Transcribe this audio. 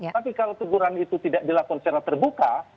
tapi kalau teguran itu tidak dilakukan secara terbuka